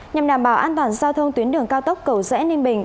nhằm đảm bảo an toàn giao thông tuyến đường cao tốc cầu rẽ ninh bình